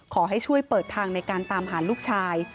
ขอให้ช่วยเปิดทางในการตามหาลูกชาย